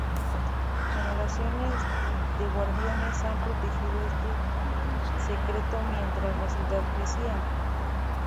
Generaciones de guardianes han protegido este secreto mientras la ciudad crecía.